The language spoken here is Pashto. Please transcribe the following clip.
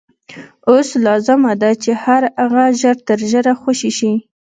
اوس لازمه ده چې هغه ژر تر ژره خوشي شي.